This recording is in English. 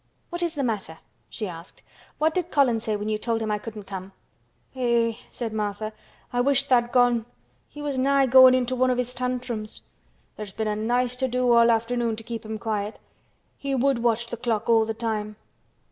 "What is the matter?" she asked. "What did Colin say when you told him I couldn't come?" "Eh!" said Martha, "I wish tha'd gone. He was nigh goin' into one o' his tantrums. There's been a nice to do all afternoon to keep him quiet. He would watch the clock all th' time."